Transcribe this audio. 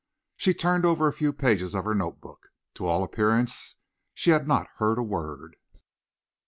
She turned over a few pages of her notebook. To all appearance she had not heard a word.